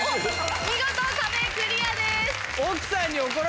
見事壁クリアです。